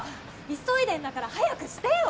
急いでんだから早くしてよ！